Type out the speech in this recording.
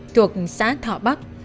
thuộc xã thọ bắc